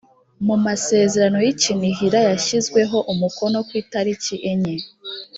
mu masezerano y i kinihira yashyizweho umukono ku itariki inye